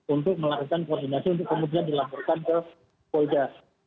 untuk melakukan koordinasi untuk kemudian dilaporkan ke polda